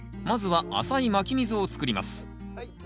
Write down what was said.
まずは浅いまき溝を作ります。